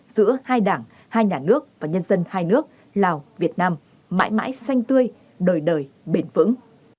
giữa hai đảng hai nhà nước và nhân dân hai nước lào việt nam mãi mãi xanh tươi đời đời bền vững